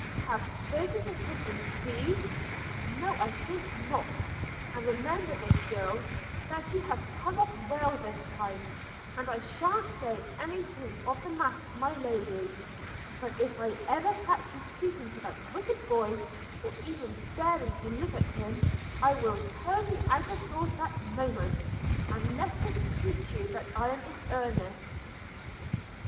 'Have spoken to him, indeed! – No, I think not; and remember this, girl, that you have come off well this time, and I shan't say any thing of the matter to my lady: but if I ever catch you speaking to that wicked boy, or even daring to look at him, I will turn you out of doors that moment – and let this teach you that I am in earnest.'